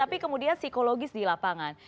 tapi kemudian psikologis di lapangan